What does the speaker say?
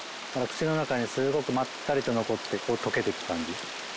口の中にすごくまったりと残ってこう溶けていく感じ。